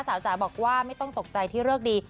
จ๋าบอกว่าไม่ต้องตกใจที่เลิกดี